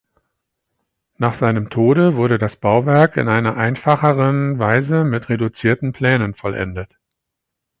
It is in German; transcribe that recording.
Nach seinem Tode wurde das Bauwerk in einer einfacheren Weise mit reduzierten Plänen vollendet.